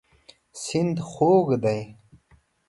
سیند خوږ دی.